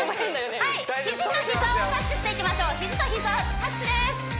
はい肘と膝をタッチしていきましょう肘と膝タッチです